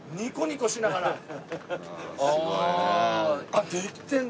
あっできてるんだ。